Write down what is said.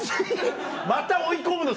また追い込むの？